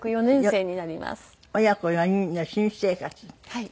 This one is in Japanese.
はい。